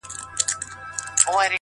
واده يم، خبره نه يم چي په چا يم.